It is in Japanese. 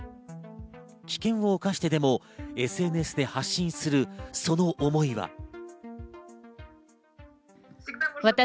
危険を冒してでもＳＮＳで発信するその思いは。